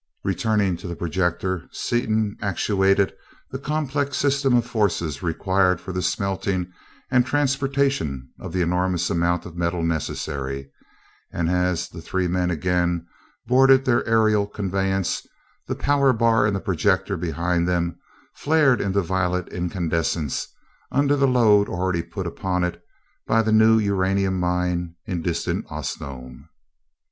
Returning to the projector, Seaton actuated the complex system of forces required for the smelting and transportation of the enormous amount of metal necessary, and as the three men again boarded their aerial conveyance, the power bar in the projector behind them flared into violet incandescence under the load already put upon it by the new uranium mine in distant Osnome.